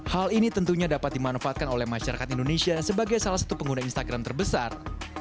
hal ini tentunya dapat dimanfaatkan oleh masyarakat indonesia sebagai salah satu pengguna instagram terbesar